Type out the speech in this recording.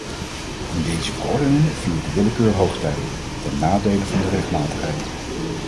In deze verordening viert de willekeur hoogtij, ten nadele van de rechtmatigheid.